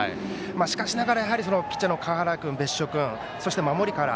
しかしながらピッチャーの川原君と別所君そして守りから。